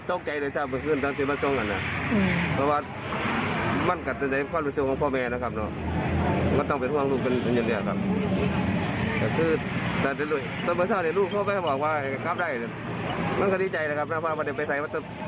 โอ้โฮถือว่าปลอดภัย